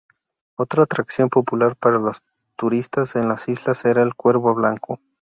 Otra atracción popular para los turistas en las islas era el "Cuervo Blanco".